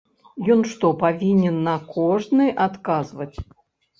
Ён што, павінен на кожны адказваць?